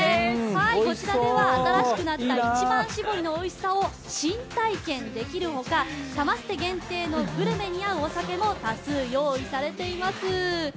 こちらでは、新しくなった一番搾りのおいしさを新体験できる他サマステ限定グルメに合うお酒も多数用意されています。